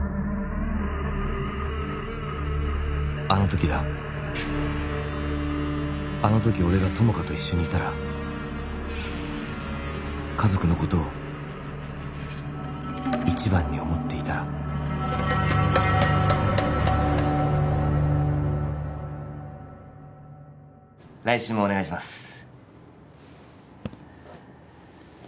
あの時だあの時俺が友果と一緒にいたら家族のことを一番に思っていたら来週もお願いします